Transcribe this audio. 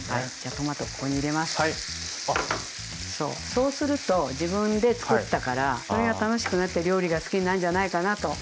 そうすると自分でつくったからそれが楽しくなって料理が好きになるんじゃないかなと。